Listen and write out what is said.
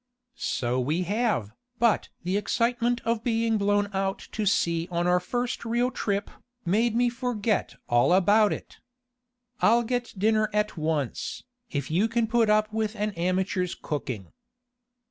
"So we have, but the excitement of being blown out to sea on our first real trip, made me forget all about it. I'll get dinner at once, if you can put up with an amateur's cooking."